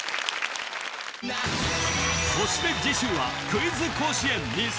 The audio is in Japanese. そして次週はクイズ甲子園２０２２